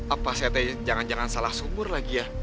apa saya jangan jangan salah sumur lagi ya